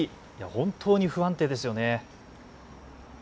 本当に不安定ですよね。